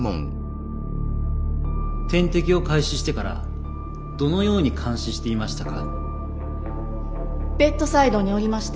点滴を開始してからどのように監視していましたか？